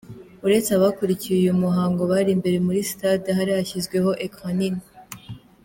Uretse abakurikiye uyu muhango bari imbere muri Stade, hari hashyizweho ecran nini.